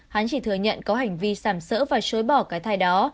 hắn chỉ thừa nhận có hành vi sảm sỡ và xối bỏ cái thai đó